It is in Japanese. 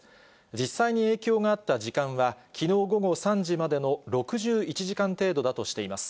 実際に影響があった時間は、きのう午後３時までの６１時間程度だとしています。